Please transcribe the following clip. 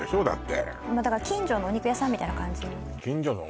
だってだから近所のお肉屋さんみたいな感じ